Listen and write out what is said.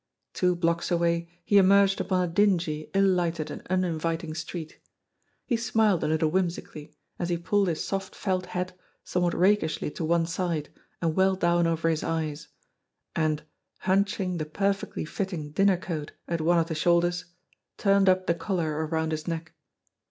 Two blocks away he emerged upon a dingy, ill lighted and uninviting street. He smiled a little whimsically, as he pulled his soft felt hat somewhat rakishly to one side and well down over his eyes, and, hunching the perfectly fitting dinner coat at one of the shoulders, turned up the collar around his neck.